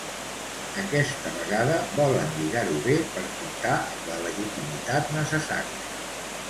Aquesta vegada volen lligar-ho bé per comptar amb la legitimitat necessària.